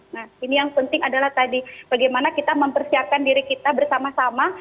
nah ini yang penting adalah tadi bagaimana kita mempersiapkan diri kita bersama sama